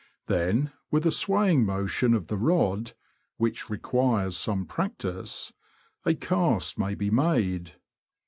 Then, with a swaying motion of the rod (which requires some practice), a cast may be made.